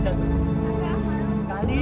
err namanya aisromu